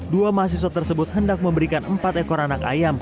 dua mahasiswa tersebut hendak memberikan empat ekor anak ayam